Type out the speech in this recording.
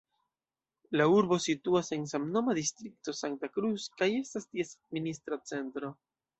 La urbo situas en samnoma distrikto Santa Cruz kaj estas ties administra centro.